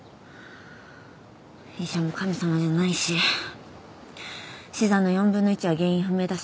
医者も神様じゃないし死産の４分の１は原因不明だし。